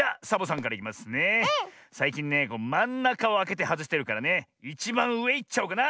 さいきんねまんなかをあけてはずしてるからねいちばんうえいっちゃおうかな！